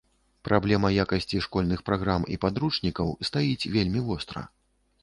Праблема якасці школьных праграм і падручнікаў стаіць вельмі востра.